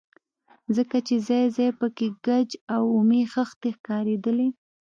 ځکه چې ځاى ځاى پکښې ګچ او اومې خښتې ښکارېدلې.